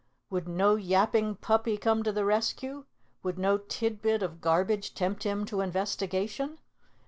Would no yapping puppy come to the rescue? Would no tidbit of garbage tempt him to investigation?